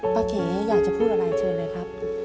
เขอยากจะพูดอะไรเชิญเลยครับ